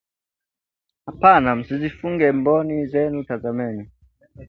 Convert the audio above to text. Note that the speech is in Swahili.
Hapana msizifunge mboni zenu, tazameni